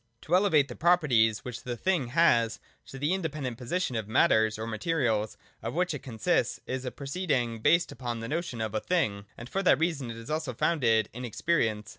To elevate the properties, which the Thing has, to the in dependent position of matters, or materials of which it con sists, is a proceeding based upon the notion of a Thing: and for that reason is also found in experience.